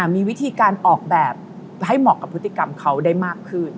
มีวิธีการออกแบบให้เหมาะกับพฤติกรรมเขาได้มากขึ้น